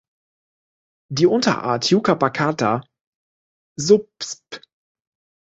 Die Unterart "Yucca baccata" subsp.